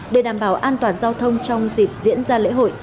để đảm bảo an toàn giao thông trong dịp diễn ra lễ hội